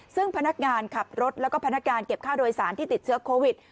ซึ่งพนักงานขับรถแล้วก็พนักการเก็บค่าโดยสารที่ติดเชื้อโควิด